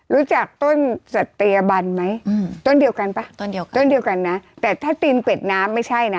รู้จักต้นสัตยบันไหมอืมต้นเดียวกันป่ะต้นเดียวกันต้นเดียวกันนะแต่ถ้าตีนเกร็ดน้ำไม่ใช่นะ